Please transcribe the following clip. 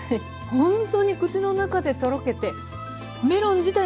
ほんとに口の中でとろけてメロン自体